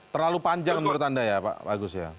terlalu panjang menurut anda ya pak agus ya